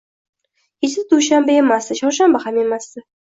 Kecha dushanba emasdi, chorshanba ham emasdi